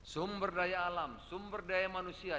sumber daya alam sumber daya manusia